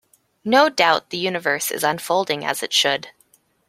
No doubt the universe is unfolding as it should.